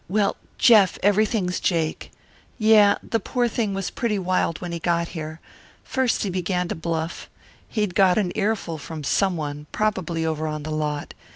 Well, Jeff, everything's jake. Yeah. The poor thing was pretty wild when he got here. First he began to bluff. He'd got an earful from someone, probably over on the lot.